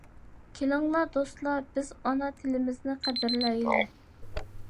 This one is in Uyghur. كېلىڭلار، دوستلار، بىز ئانا تىلىمىزنى قەدىرلەيلى!